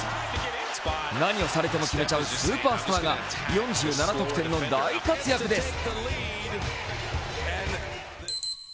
何をされても決めちゃうスーパースターが４７得点の大活躍です。